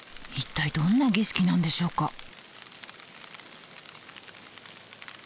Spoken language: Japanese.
一体どんな儀式なんでしょうか？